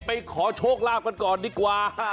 ขอโชคลาภกันก่อนดีกว่า